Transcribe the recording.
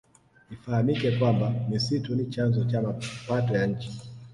Ifahamike kwamba misitu ni chanzo cha mapato ya nchi